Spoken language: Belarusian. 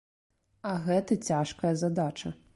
А гэта цяжкая задача.